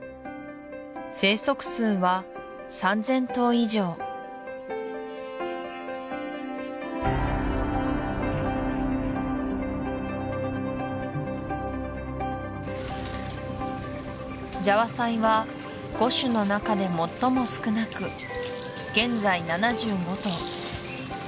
生息数は３０００頭以上ジャワサイは５種の中で最も少なく現在７５頭